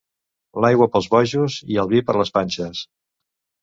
L'aigua pels bojos i el vi per les panxes.